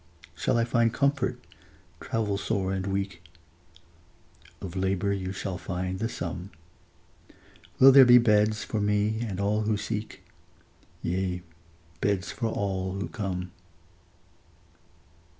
Shall I find comfort, travel sore and weak? Of labor you shall find the sum. Will there be beds for me and all who seek? Yea, beds for all who come.